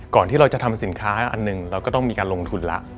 ที่เราจะทำสินค้าอันหนึ่งเราก็ต้องมีการลงทุนแล้ว